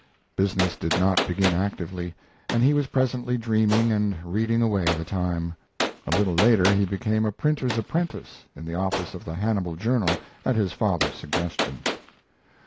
Business did not begin actively, and he was presently dreaming and reading away the time. A little later he became a printer's apprentice, in the office of the Hannibal Journal, at his father's suggestion.